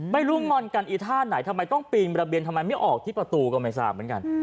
งอนกันอีท่าไหนทำไมต้องปีนระเบียนทำไมไม่ออกที่ประตูก็ไม่ทราบเหมือนกัน